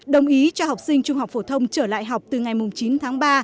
đồng ý cho học sinh trung học phổ thông trở lại học từ ngày chín tháng ba